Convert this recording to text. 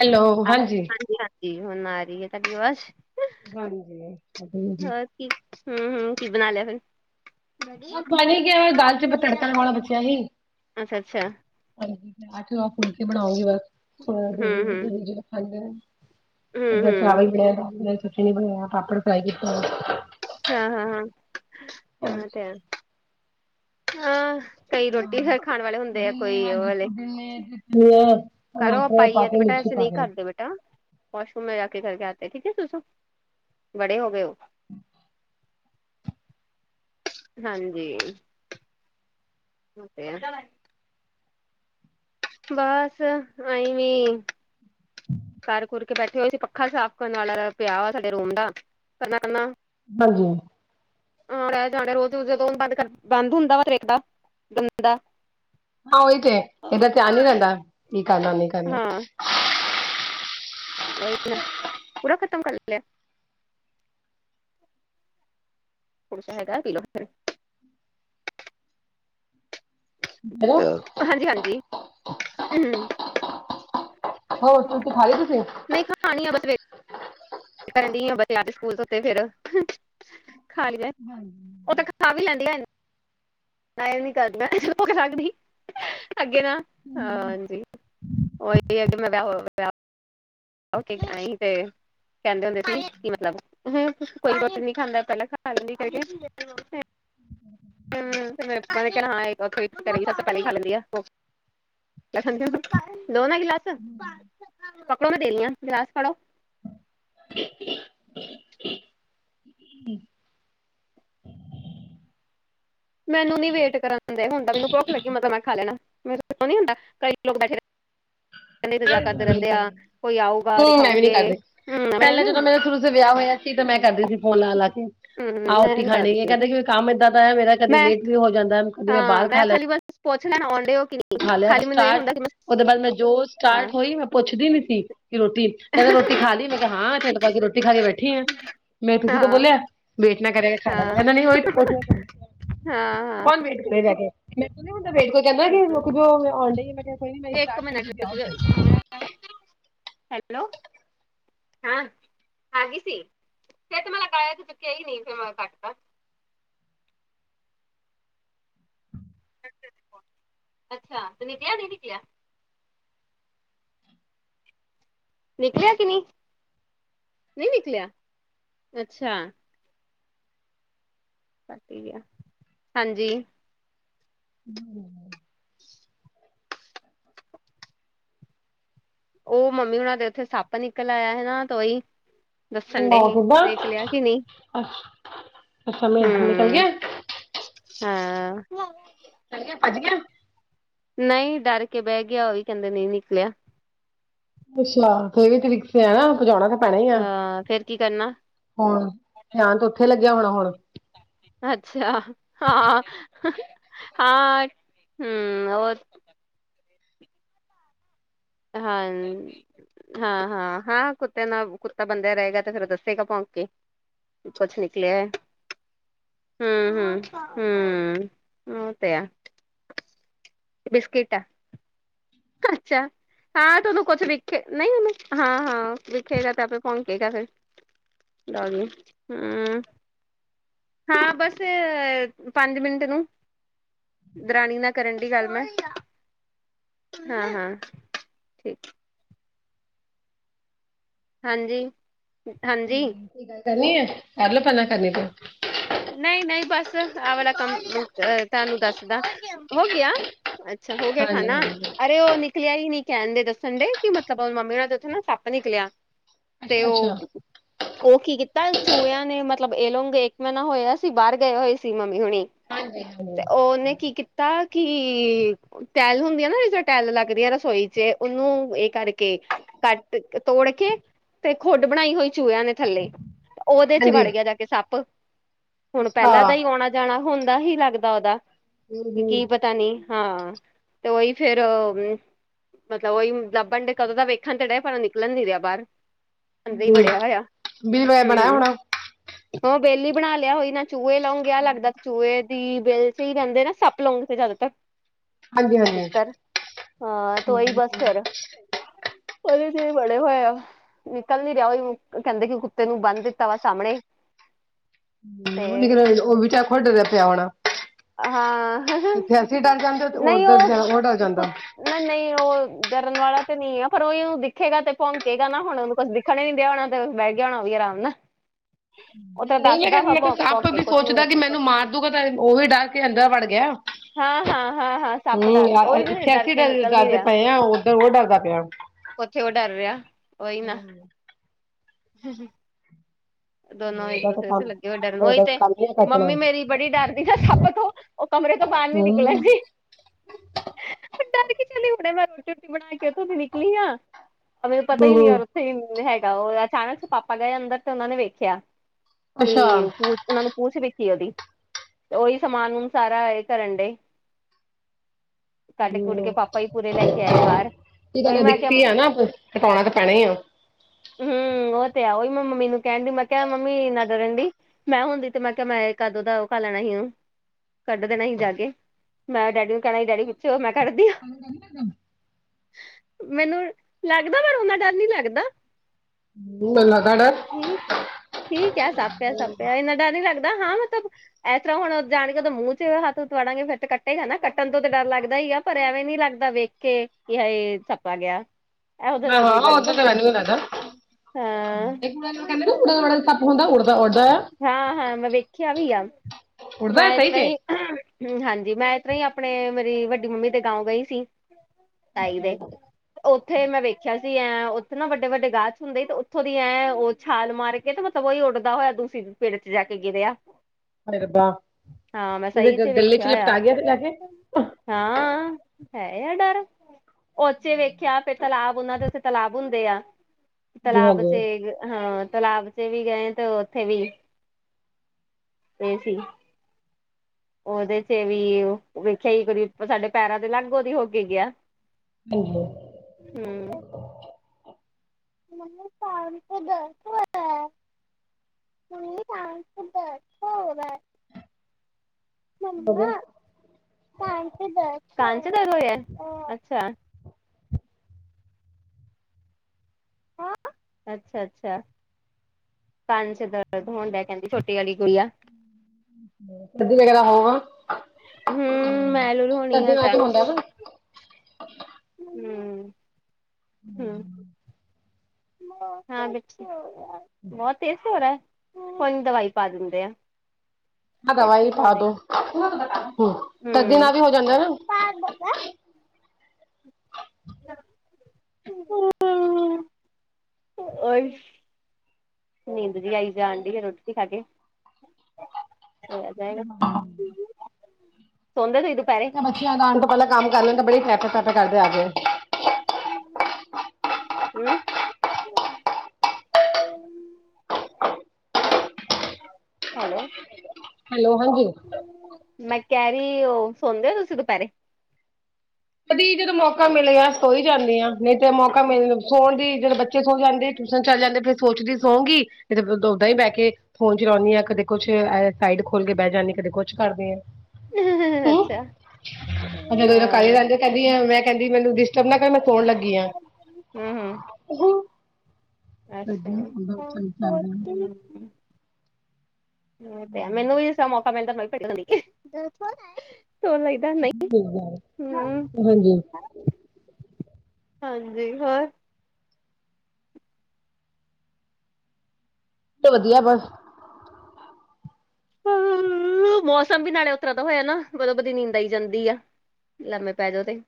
Hello ਆ ਹਾਂਜੀ। ਹਾਂਜੀ-ਹਾਂਜੀ, ਹੁਣ ਆ ਰੀ ਏ ਤਾਡੀ ਅਵਾਜ਼। ਹਾਂਜੀ। ਹੋਰ ਕੀ, ਹੂੰ-ਹੂੰ ਕੀ ਬਣਾ ਲਿਆ ਫੇਰ? ਬਸ ਬਣ ਈ ਗਿਐ, ਦਾਲ ਚ ਬਸ ਤੜਕਾ ਲਾਉਣਾ ਬਚਿਆ ਸੀ। ਅੱਛਾ, ਅੱਛਾ। ਹਾਂਜੀ, ਅਠ-ਨੌ ਫੁਲਕੇ ਬਣਾਓਗੀ ਬਸ, ਥੋੜਾ ਹਮ [unintelligible] ਹਮ ਦੇਵ ਜੀ ਖਾਂਦੇ ਨੇ। ਅਜ ਹਮ ਮੈ ਹਮ ਚਾਵਲ ਬਣਾਏ, [unintelligible] ਚਟਨੀ ਬਣਾਯਾ, ਪਾਪੜ ਫ੍ਰਾਈ ਕੀਤਾ ਹੋਣੈ। ਹਾਂ, ਹਾਂ, ਹਾਂ, ਹਾਂ ਤੇ ਹੈ। ਹਾਂ। ਕਈ ਰੋਟੀ ਹਾਂ ਫੇਰ ਖਾਣ ਵਾਲੇ ਹੁੰਦੇ ਐ ਪੁਦੀਨੇ ਕੋਈ ਔ ਹਾਂਜੀ ਵਾਲੇ। ਪੁਦੀਨੇ ਤੇ ਧਨੀਆ ਕਰੋ ਟਮਾਟਰ ਪਾਈ ਪਾ ਐ ਤੇ ਕੇ ਬੇਟਾ ਮਿਰਚੀ ਐਸੇ ਪਾ ਨਹੀਂ ਕੇ ਕਰ ਦੇ ਬੇਟਾ ਵਾਸ਼ਰੂਮ ਮੇ ਜਾ ਕੇ ਕਰਕੇ ਆਤੇ ਐ ਠੀਕ ਹੈ ਸੁਸੂ, ਬੜੇ ਹੋ ਗਏ ਔ। [inaudible] ਹਾਂਜੀ। [unintelligible] ਬੱਸ ਆਈਂ ਵੀ ਕਰ ਕੁਰ ਕੇ ਬੈਠੇ ਹੋਏ ਸੀ, ਪੱਖਾ ਸਾਫ਼ ਕਰਨ ਵਾਲਾ ਪਿਆ ਵਾ ਸਾਡੇ ਰੂਮ ਦਾ, ਕਰਨਾ-ਕਰਨਾ ਹਾਂਜੀ। ਹਾਂ [unintelligible] ਰੋਜ਼ ਜਦੋਂ ਬੰਦ ਕਰ ਬੰਦ ਹੁੰਦਾ ਵਾ ਫੇਰ ਏਕ ਦਾਮ। ਗੰਦਾ। ਹਾਂ, ਔਹੀ ਤਾਂ ਤੇ ਇਦਾ ਧਿਆਨ ਨੀ ਰੈੰਦਾ ਕੀ ਕਰਨਾ, ਕੀ ਨਹੀਂ ਕਰਨਾ। ਹਾਂ ਵਹੀ ਨਾ। ਪੂਰਾ ਖਤਮ ਕਰ ਲਿਐ। ਥੋੜਾ ਸਾ ਹੈਗਾ, ਪੀਲੋ। ਹੈਲੋ ਹਾਂਜੀ ਹਾਂਜੀ, ਉਹੂੰ। ਹੋ ਤੂੰ ਤੇ ਖਾਲੇਗੀ ਫੇਰ ਖਣੀ ਆ ਬਸ ਵੇ ਕਰਦੀ ਆ ਬਚੇਆ ਦੇ ਸਕੂਲ ਧੋਤੇ ਫੇਰ ਖਾ ਲੀਏ ਹਾਂਜੀ। ਓਹ ਤਾਂ ਖਾ ਵੀ ਲੈਂਦੀ ਐਣ। ਮੈਂ ਐ ਵੀ ਨੀ ਕਰਣਾ [unintelligible] ਅੱਗੇ ਨਾ ਹਾਂਜੀ। ਓਈ ਅਗੇ ਮੈਂ ਵਿਆ ਹੋਵੇ ਵਿਆ। ਓਕੇ ਤਾਹੀ ਤੇ, ਕੈੰਦੇ ਹੁੰਦੇ ਸੀ ਕੀ ਮਤਲਬ ਹੂੰ ਕੋਈ ਬੌਤ ਨੀ ਖਾਂਦਾ ਪੈਹਲਾਂ ਖਾ ਲੈਂਦੀ ਕਰਕੇ ਹੂੰ, ਲੋਕਾ ਨੇ ਕੈਣਾ ਹਾਂ ਐ ਖਈ ਕਰੇਗੀ ਸਬਸੇ ਪੈਲੇ ਈ ਖਾ ਲੈਂਦੀ ਐ ਓਹ‌। ਮੈਂ ਸਮਝੇ ਹੋ, ਲੋ ਨਾ ਗਿਲਾਸ ਪਕੜੋ ਮੈਂ ਦੇਰੀਆ ਗਿਲਾਸ ਫੜੋ। [inaudible] ਮੈਨੂੰ ਨੀ ਵੇਟ ਕਰਨ ਦੇ ਹੁੰਦੇ, ਮੈਨੂੰ ਭੁੱਖ ਲਗੀ ਤਾ ਮੈਂ ਖਾ ਲੈਣਾ, ਮੈ ਸੋਚੋ ਨੀ ਹੁੰਦਾ ਕਈ ਲੋਗ ਬੈਠੇ ਰੈ ਇੰਤਜ਼ਾਰ ਕਰਦੇ ਹਾਂਜੀ ਰਹਿੰਦੇ ਆ, ਸਹੀ ਕੋਈ ਆਊਗਾ ਹੂੰ ਮੈਂ ਵੀ ਨੀ ਦਿਖਾਉਂਗੇ, ਕਰਦੀ ਹੂ ਤੇ ਮੈਂ ਕਰਦੀ ਸੀ ਫੋਨ ਲਾ ਲਾ ਕੇ, ਆਔ ਮੈਂ ਰੋਟੀ ਨੀ ਖਾਣੀ ਏ ਕਰਦੀ ਕਹਿੰਦੇ, ਕਿ ਕੰਮ ਇਏਦਾਂ ਦਾ ਹੈ ਮੇਰਾ ਕਦੀ ਮੈਂ ਲੇਟ ਵੀ ਹੋ ਜਾਂਦਾ, ਕਦੀ ਮੈਂ ਬਾਹਰ ਖਾ ਲੈ ਪਛ ਲੈਣ ਅੰਆਉਡੇ ਉਹ ਕਿ ਨਹੀਂ ਤੂ ਖਾ ਲੇਯਾ ਕਰ ਖਾਲੀ ਮੈਨੂੰ ਇਹ ਸਟਾਰਟ, ਹੁੰਦਾ ਕਿ ਮੈਂ ਉਹਦੇ ਬਾਅਦ ਮੈਂ ਜੋ ਹਾਂ ਸਟਾਰਟ ਹੋਈ ਮੈਂ ਪੁੱਛਦੀ ਨ ਸੀ। ਕਿ ਰੋਟੀ ਕਹਿੰਦੇ ਰੋਟੀ ਖਾ ਲਈ, ਮੈਂ ਕਿਹਾ ਹਾਂ ਠਿੰਡ ਪਾ ਕੇ ਰੋਟੀ ਖਾ ਕੇ ਬੈਠੀ ਆ ਮੈਂ, ਤੁਸੀਂ ਤਾਂ ਹਾਂ ਬੋਲਿਆ। ਵੇਟ ਨਾ ਕਰਿਆ ਕਰ, ਖਾ ਹਾਂ ਲੇਯਾ ਕਰ, ਨਹੀਂ ਹਾਂ ਹਾਂ ਕੌਣ ਵੇਟ ਕਰੇ ਭੈਹ ਕੇ ਮੈਨ ਨੀ ਹੁੰਦਾ ਵੇਟ, ਕੋਈ ਕਹਿੰਦਾ, ਕਿ ਆਉਣ ਡ ਹੀ ਮੈਂ ਕਿਹਾਈ ਇੱਕ ਕਰਕੇ ਮਿੰਟ ਜਾਓ ਫਿਰ ਹੈਲੋ ਹਾਂ ਹੈਗੀ ਸੀ, ਫਿਰ ਤਾਂ ਮੈਂ ਤੇ ਲਗਾਇਆ ਸੀ ਚੁੱਕ ਨਹੀ ਫਿਰ ਕਟਦਾ। ਅੱਛਾ, ਤੇ ਨਿਕਲਿਆ ਨਹੀਂ ਨਿਕਲਿਆ ਨਿਕਲਿਆ ਕਿ ਨਹੀਂ, ਨਹੀਂ ਨਿਕਲਿਆ, ਅੱਛਾ ਹਾਂਜੀ ਹੂ ਉਹ ਮੰਮੀ ਉਹਨਾਂ ਦੇ ਉੱਥੇ ਸੱਪ ਨਿਕਲ ਆਇਆ ਹੈਨਾ। ਉਹ ਹੀ ਦੱਸਣ ਡੇ ਸੀ, ਕਿਹਾ, ਦੇਖ ਲਿਆ ਕਿ ਨਹੀਂ ਅਛਾ, ਨਿਕਲ ਹਮ ਗਿਆ ਹਾਂ ਚਲ ਗਿਆ, ਭੱਜ ਗਿਆ ਨਹੀਂ ਡਰ ਕੇ ਬਹਿ ਗਿਆ। ਉਹ ਵੀ ਕਹਿੰਦੇ ਨਹੀਂ ਨਿਕਲਿਆ। ਅੱਛਾ, ਤੇੇਵ ਵੀ ਤਰੀਕ ਹੈ ਨਾ ਭਜਾਉਣਾ ਨਾ ਹਾਂ, ਫੇਰ ਕੀ ਕਰਨਾ ਹੁਣ ਥਯਾਨ ਤੇ ਉੱਥੇ ਲੱਗਿਆ ਹੋਣਾ, ਹੁਣ ਅੱਛਾ, ਹਾਂ ਹਾਂ, ਹੂ ਹੋਰ ਹਾਂਜੀ ਹਾਂ ਹਾਂ ਹਾਂ, ਕੁੱਤਿਆਂ ਨਾਲ ਕੁੱਤਾ ਬੰਦਿਆ ਰਹੇਗਾ। ਤੇ ਫੇਰ ਦੱਸੇਗਾ ਭੌਕ ਕੇ ਕੁਛ ਨਿਕਲਿਆ ਹੈ। ਹੂ ਹੂ ਹੂ, ਉਹ ਤੇ ਹੈ। ਬਿਸਕਿਟ ਐ ਅੱਛਾ ਹਾਂ ਤੇ ਉਹਨੂੰ ਕੁਛ ਵਖੇ ਨਹੀਂ ਉਹਨੂੰ, ਹਾਂ ਹਾਂ ਵੇਖੇਗਾ ਤੇ ਆਪੇ ਭੋਂਕੇਗਾ ਫਿਰ ਲਗੇ, ਹੂ ਹਾਂ, ਬਸ ਅ ਪੰਜ ਮਿੰਟ ਨੂੰ ਦਰਾਣੀ ਨਾਲ ਕਰਨ ਢਈ ਗੱਲ ਮੈ ਹਾਂ-ਹਾਂ ਠੀਕ। ਹਾਂਜੀ, ਹਾਂਜੀ। ਕੀ ਕਰਨੀ ਏ ਕਰ ਲਓ ਪਹਿਲਾਂ ਕਰਨੀ ਤੇ। ਨਈ-ਨਈ, ਬਸ ਆ ਵਾਲਾ ਕੰਮ ਤਾਨੂੰ ਦੱਸਦਾ ਹੋ ਗਿਆ। ਅੱਛਾ, ਹੋ ਗਿਆ ਹਾਂਜੀ ਖਾਨਾ ਹਾਂਜੀ ਅਰੇ ਓ ਨਿ ਨਿਕਲਿਆ ਹੀ ਨੀ ਕਹਿਣ ਦੇ ਦੱਸਣ ਢਏ, ਕਿ ਮਤਲਬ ਉਹ ਮੰਮੀ ਹੁਣ ਦੇ ਉੱਥੇ ਨਾ ਸੱਪ ਨਿਕਲਿਆ। ਤੇ ਅੱਛਾ ਅੱਛਾ ਉਹ ਉਹ ਕੀ ਕੀਤਾ ਚੂਹਿਆਂ ਨੇ ਮਤਲਬ ਇਹ ਲੋਂਗੇ ਮੈਂ ਨਾ ਹੋਇਆ ਸੀ ਬਾਰ ਗਏ ਹੋਏ ਸੀ ਮੰਮੀ ਹੁਣੀ ਹਾਂਜੀ ਤੇ ਹਾਂਜੀ ਉਨੇ ਕੀ ਤਾਂ ਕਿ ਟੈਲ ਹੁੰਦੀ ਆ ਨਾ ਜਿਸਦੋਂ ਟੈਲ ਲੱਗਦੀ ਏ ਰਸੋਈ ਚ਼ ਉਹਨੂੰ ਇਹ ਕਰਕੇ ਕੱਟ ਤੋੜ ਕੇ ਤੇ ਖੁੱਡ ਬਣਾਈ ਹੋਈ ਚੂਹਿਆਂ ਨੇ ਥੱਲੇ। ਉਦੇ ਚ ਹਾਂਜੀ। ਵੜ ਗਿਆ ਜਾ ਕੇ ਸੱਪ, ਹੁਣ ਅੱਛਾ ਪਹਿਲਾਂ ਦਾ ਹੀ ਆਉਣਾ ਜਾਣਾ ਹੁੰਦਾ ਹੀ ਲੱਗਦਾ ਉਹਦਾ ਹੂੰ ਕੀ ਪਤ ਹੂੰ ਤਾ ਨੀ ਹਾਂ, ਤੇ ਉਹੀ ਫੇਰ ਮਤਲਬ ਉਹੀ ਲੱਭਣ ਡ ਕਦੋਂ, ਤਾਂ ਵੇਖਣ ਤੇ ਢਏ ਪਰ ਉਹ ਨਿਕਲਣ ਨ ਰਿਹਾ ਬਾਰ ਅੰਦਰ ਹੀ ਬੜਿਆ ਹੋਇਆ ਬਿਲ ਵਗੈਰਾ ਬਣਾਇਆ ਹਮ। ਹੋਣਾ ਹੂੰ, ਬਿਲ ਬਣਾ ਲਿਆ ਹੋਈ ਨਾ ਚੂਹੇ ਲਾ ਗਿਆ ਲੱਗਦਾ ਚੂਹੇ ਦੀ ਬਿਲ ਚ ਹੀ ਰੇਨਦੇ ਨਾ ਸੱਪ ਲੌਂਗ ਤੇ ਜ਼ਿਆਦਾਤਰ ਹਾਂਜੀ ਹਾਂਜੀ ਅਧਿਕਤਰ ਤੁੰਹੀ ਬਸ ਫਿਰ ਉਹਦੇ ਚ ਹੀ ਬੜੇ ਹੋਏ ਆ। ਨਿਕਲ ਨੀ ਰਿਹਾ, ਉਹਈ ਕਹਿੰਦੇ ਕਿ ਕੁੱਤੇ ਨੂੰ ਬੰਨ ਦਿੱਤਾ ਵਾ ਸਾਹਮਣੇ। ਤੇ ਉਹ ਨ ਉਹ ਵੀ ਚਾ ਖੁਡ ਰਿ ਪਿਆ ਹੋਣਾ। ਹਾਂ। ਅਸੀ ਡਰ ਜਾਂਦੇ ਤੇ ਉਧਰ ਜਾਂ ਉਹ ਡਰ ਜਾਂਦਾ। ਨਈ-ਨਈ ਉਹ ਡਰਨ ਵਾਲਾ ਤੇ ਨਈ ਏ ਪਰ ਉਹੀ ਦਿਖੇਗਾ ਤੇ ਭੌਕੇਗਾ ਨਾ ਹੁਣ ਉਹਨੂੰ ਕੁਛ ਖਣੇ ਨੀ ਦਿਆ ਹੋਣਾ ਤੇ ਬਹਿ ਗਿਆ ਹੋਣਾ ਵੀ ਆਰਾਮ ਨਾ ਉੱਥੇ ਨਈ ਮੈਂ, ਮੈਂ ਸੱਪ ਵੀ ਸੋਚਦਾ ਕਿ ਮੈਨੂੰ ਮਾਰ ਦੂਗਾ ਤੇ ਉਹੀ ਡਰ ਕੇ ਅੰਦਰ ਵੜ ਗਿਆ। ਹਾਂ, ਹਾਂ। ਹਾਂ ਹਾਂ ਸੱਪ ਡਰ ਹਮ ਉਹੀ ਤੇ ਇਥੇ ਡਰ ਅਸੀ ਕੇ ਡ ਨਿਕਲ ਡਰਦੇ ਪਏ ਆ, ਓਧਰ ਉਹ ਡਰਦਾ ਪਿਆ। ੳਥੇ ਓ ਡਰ ਰਿਹਾ ਔਹੀ ਨਾ। ਦੋਨੋ ਇੱਕ ਉਹਦਾ ਤਾਂ ਦੂਸਰੇ ਕੰਮ ਸੇ ਲੱਗੇ ਹੋਏ ਡਰਨ ਉਹੀ ਉਹਦਾ ਤਾਂ ਤੇ ਕੰਮ ਹੀ ਕੱਟਣਾ ਮੰਮੀ ਮੇਰੀ ਬੜੀ ਡਰਦੀ ਐ ਨਾ ਸੱਪ ਤੋਂ ਉਹ ਕਮਰੇ ਤੋਂ ਬਾਰ ਨੀ ਹਮ ਨਿਕਲਣਦੀ। ਡਰ ਕੀ ਚੱਲ ਹੁਣੇ ਮੈਂ ਰੋਟੀ, ਰੁਟੀ ਬਣਾ ਕੇ ੳਥੋਂ ਤੇ ਨਿਕਲੀ ਆਂ। ਉਹ ਮੈਨੂੰ ਪਤਾ ਹੀ ਨੀ ਹਮ ਯਾਰ ਉੱਥੇ ਹੀ ਹੈਗਾ ਉਹ ਅਚਾਨਕ ਚ ਪਾਪਾ ਗਏ ਅੰਦਰ ਤੇ ਉਹਨਾਂ ਨੇ ਵੇਖਿਆ। ਅੱਛਾ ਹਮ ਕਿ ਪ ਉਹਨਾ ਨੂੰ ਪੂਛ ਦਿਖੀ ਉਹਦੀ, ਓਹੀ ਸਮਾਨ ਸਾਰਾ ਇਹ ਕਰਨ ਡਏ। ਕੱਢ ਕੁੱਢ ਕੇ ਪਾਪਾ ਹੀ ਪੂਰੇ ਲੈ ਕੇ ਆਏ ਬਾਰ ਕੀ ਦਾਨਾ ਦਿੱਖਤੀ ਆ ਨਾ ਕਟਾਉਣਾ ਤਾਂ ਪੈਣਾ ਹੀ ਆ। ਹਮ, ਉਹ ਤੇ ਏ ਓਹੀ ਮੈਂ ਮੰਮੀ ਨੂੰ ਕਹਿੰਡੀ ਮ ਕਿਹਾ ਮੰਮੀ ਇਨਾ ਡਰਨਡੀ ਮੈਂ ਹੁੰਦੀ ਤੇ ਮੈਂ ਕਿਹਾ ਮੈਂ ਕਦੋਂ ਦਾ ਉਹ ਖਾ ਲੈਣਾ ਸੀ ੳਨੂੰ। ਕੱਢ ਦੇਣਾ ਹੀ ਜਾਕੇ, ਮੈਂ ਡੈਡੀ ਨੂੰ ਕਹਿਣਾ ਸੀ ਡੈਡੀ ਪਿੱਛੇ ਹੋ ਮੈਂ ਕੱਢਦੀ ਆ। ਓਹੀ ਨਾ ਕੰਮ ਮੈਨੂੰ ਲੱਗਦਾ ਪਰ ਓਨਾ ਡਰ ਨੀ ਲੱਗਦਾ। ਮੈਨੂੰ ਲੱਗਦਾ ਡਰ ਹੂੰ ਠੀਕ ਹੈ ਸੱਪ ਐ, ਸੱਪ ਐ, ਇੰਨਾ ਡਰ ਨੀ ਲੱਗਦਾ ਹਾਂ ਮਤਲਬ ਇਸ ਤਰ੍ਹਾਂ ਹੁਣ ਜਾਣ ਕੇ ਉਹਦੇ ਮੂੰਹ 'ਚ ਹੱਥ ਕੁਛ ਵਾੜਾਂਗੇ, ਫਿਰ ਕੱਟੇਗਾ ਨਾ ਕੱਟਣ ਤੋਂ ਤੇ ਡਰ ਲੱਗਦਾ ਹੀ ਐ, ਪਰ ਐਂਵੇ ਨੀ ਲੱਗਦਾ ਵੇਖ ਕੇ, ਕੀ ਹਾੲ ਸੱਪ ਆ ਗਿਆ। ਇਹੋ ਹਾਂ ਡਰ ਨੀ ਹਾਂ ਲੱਗਦਾ, ਉਦਾਂ ਤਾਂ ਮੈਨੂੰ ਵੀ ਲੱਗਦਾ ਹਾਂ। ਇੱਕ ਉੜਾ ਕਹਿੰਦੇ ਨਾ ਉੜਨ ਵਾਲਾ ਸੱਪ ਹੁੰਦਾ ਉੜਦਾ ਉੜਦਾ ਆ ਹਾਂ- ਹਾਂ ਮੈਂ ਵੇਖਿਆ ਵੀ ਆ, ਉੜਦਾ ਹੈ ਮੈਂ ਇਸ ਸਹੀ ਤਰ ਚ ਹੀ ਹਾਂਜੀ, ਮੈਂ ਇਸ ਤਰਾਂ ਹੀ ਆਪਣੇ, ਮੇਰੀ ਵੱਡੀ ਮੰਮੀ ਦੇ ਗਾਉ ਗਈ ਸੀ। ਤਾਂਈ ਦੇ ਉੱਥੇ ਮੈਂ ਵੇਖਿਆ ਸੀ ਐਂ, ਉੱਥੇ ਨਾ ਵੱਡੇ, ਵੱਡੇ ਗਾਛ ਹੁੰਦੇ ਤੇ ਉੱਥੋਂ ਦੀ ਐਂ ਛਾਲ ਮਾਰ ਕੇ, ਤੇ ਮਤਲਬ ਉਹੀ ਉੱਡਦਾ ਹੋਇਆ ਦੂਸੀ ਪੇਡ 'ਚ ਜਾ ਕੇ ਗਿਰਿਆ। ਹਾਏ ਰੱਬਾ ਹਾਂ, ਮੈਂ ਕਿਸੇ ਸਹੀ 'ਚ ਗੱਲੇ ਵੇਖਿਆ ਹੋਇਆ। ਲਪਟਾ ਗਿਆ ਤੇ ਲੈ ਕੇ ਹਾਂ, ਹੈ ਯਾ ਡਰ ਉਚੇ ਵੇਖਿਆ, ਫਿਰ ਤਲਾਬ ਉਹਨਾਂ ਦੇ ਉੱਥੇ ਤਲਾਬ ਹੁੰਦੇ ਆ, ਜੀ ਤਲਾਬ ਹਾਂਜੀ 'ਚ ਹਾਂ, ਤਲਾਬ ਤੇ ਵੀ ਗਏ, ਤੇ ਉੱਥੇ ਵੀ, ਤੇ ਸੀ ਉਹਦੇ ਚ' ਵੀ, ਵੇਖਿਆ ਹੀ ਕਦੀ ਸਾਡੇ ਪੈਰਾਂ ਤੇ ਲਾਗੇ ਹੋ ਕੇ ਗਿਆ। ਹਾਂਜੀ ਹੂੰ। [inaudible] [inaudible] ਗਿਆ ਕਾਨ ਸੇ ਦਰਦ ਹੋ ਰਿਹਾ ਹੈ ਹ ਅੱਛਾ। ਅੱਛਾ, ਅੱਛਾ। ਕੰਨ 'ਚ ਦਰਦ ਹੋਣ ਡਿਆ ਕਹਿੰਦੀ ਛੋਟੀ ਵਾਲੀ ਗੁੜੀਆ। ਸਰਦੀ ਵਗੈਰਾ ਹੋਊਗਾ ਹੂੰ, ਮੈਲ ਮੂਲ ਹੋਣੀ ਸਰਦੀ ਆ ਵਿੱਚ ਜਾ ਹੁੰਦਾ ਨਾ ਹਮ- ਹਮ ਹਾਂ ਬਚੇ, ਬਹੁਤ ਤੇਜ਼ ਹੋ ਰਹਾ, ਕੋਈ ਨੀ ਦਵਾਈ ਪਾ ਦਿੰਦੇ ਆ। ਆ ਫਿਰ ਦਵਾਈ ਠੀਕ ਹੋ ਜਾਏਗਾ ਪਾਦੋ, ਸਰਦੀ ਹੂੰ ਨਾਲ ਵੀ ਹੋ ਜਾਂਦਾ ਨਾ। ਹਮ [unintelligible] ਓਈ ਨੀਂਦ ਜੀ ਆਈ ਜਾਣ ਡਈ ਰੋਟੀ ਖਾ ਕੇ, ਹੋ ਜਾਏਗਾ। [unintelligible] ਬੱਚੀਆਂ ਆਉਣ ਤੋਂ ਪਹਿਲਾਂ ਕੰਮ ਕਰ ਲਾ, ਬੜੀ ਠਕ, ਠਕ ਕਰਦੇ ਨੇ ਆ ਕੇ। ਹਮ ਹੈਲੋ। ਹੈਲੋ ਹਾਂਜੀ ਮੈਂ ਕਹਿ ਰਹੀ, ਉਹ ਸੌਣਦੇ ਹੋ ਤੁਸੀਂ ਦੁਪਹਿਰੇ। ਕਦੀਕ, ਜਦੋਂ ਮੌਕਾ ਮਿਲਿਆ। ਸੋ ਹੀ ਜਾਂਦੀ ਆ, ਨਹੀਂ ਤੇ ਮੌਕਾ, ਮਿਲ ਸੋਣ ਦੀ ਜਿਹੜੇ ਬੱਚੇ ਸੋ ਜਾਂਦੇ ਟਿਊਸ਼ਨ ਚੱਲ ਜਾਂਦੇ ਫੇਰ ਸੋਚਦੀ ਸੋਂਗੀ, ਇਹ ਤੇ ਓਦਾਂ ਹੀ ਬਹਿ ਕੇ ਫੋਨ ਚਲਾਉਦੀ ਹਾਂ, ਕਦੇ ਕੁਛ ਸਾਈਡ ਖੋਲ ਕੇ ਬਹਿ ਜਾਂਣੀ ਕਦੇ ਕੁਛ ਕਰਦੀ ਆ। ਇਹ, ਅੱਛਾ ਜਦੋਂ- ਜਦੋਂ ਕਰ ਹੀ ਹਾਂ ਲੈੰਦੇ। ਕਹਿੰਦੀ ਆ, ਮੈਂ ਕਹਿੰਦੀ ਮੈਨੂੰ ਡਿਸਟਰਬ ਨਾ ਕਰ ਮੈਂ ਸੋਣ ਲੱਗੀ ਆ। ਹੂੰ ਹੂੰ ਅੱਛਾ [unintelligible] ਚ ਹਮ, ਜਾਂਦੇ ਨੇ। ਇਹ ਤੇ ਮੈਨੂੰ ਵੀ ਇਸ ਤ ਮੌਕਾ ਮਿਲਦਾ ਲ [unintelligible] ਹਾਂਜੀ। ਹਾਂਜੀ, ਹੋਰ। 'ਚ ਵਧੀਆ ਬਸ। ਹ, ਮੌਸਮ ਵੀ ਨਾਲੇ ਉਸਤਰਾ ਦਾ ਹੋਇਆ ਨਾ, ਬਦੋਂ ਵਧੀ ਨੀਂਦ ਆਈ ਜਾਂਦੀ ਆ। ਲੰਮੇ ਪੈ ਜਓ ਤੇ